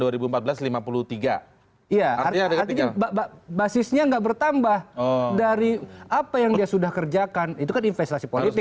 artinya basisnya nggak bertambah dari apa yang dia sudah kerjakan itu kan investasi politik